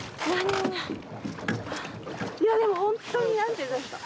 でもホントに何ていうんですか。